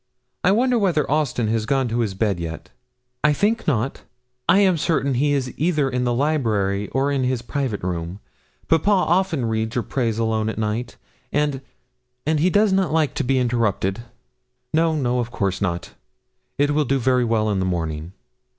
I wonder whether Austin has gone to his bed yet!' 'I think not. I am certain he is either in the library or in his private room papa often reads or prays alone at night, and and he does not like to be interrupted.' 'No, no; of course not it will do very well in the morning.'